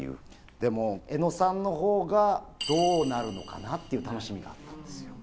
でも江野さんのほうが、どうなるのかな？っていう楽しみがあったんですよ。